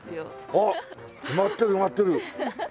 あっ埋まってる埋まってる！